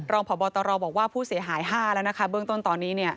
พบตรบอกว่าผู้เสียหาย๕แล้วนะคะเบื้องต้นตอนนี้